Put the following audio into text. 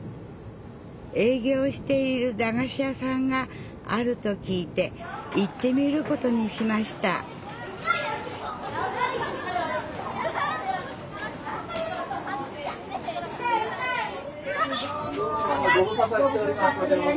営業しているだがし屋さんがあると聞いて行ってみることにしましたどうも。